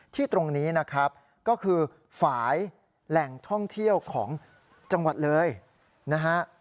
ที่ตรงนี้นะครับก็คือฝ่ายแหล่งท่องเที่ยวของจังหวัดเลยนะฮะ